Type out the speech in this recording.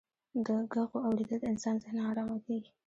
د ږغو اورېدل د انسان ذهن ناآرامه کيي.